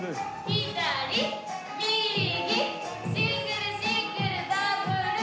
左右シングルシングルダブル。